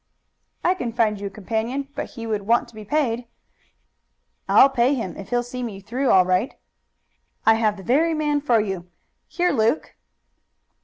"I can find you a companion, but he would want to be paid." "I'll pay him if he'll see me through all right." "I have the very man for you. Here, Luke!"